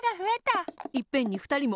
いっぺんにふたりも！